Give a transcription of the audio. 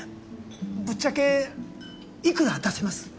ぶっちゃけ幾ら出せます？